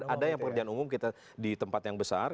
ada yang pekerjaan umum kita di tempat yang besar